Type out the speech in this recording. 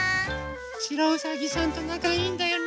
しろうさぎさんとなかいいんだよね。